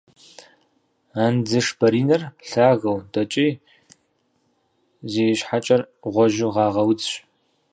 Андзышбаринэр лъагэу дэкӏей, зи щхьэкӏэр гъуэжьу гъагъэ удзщ.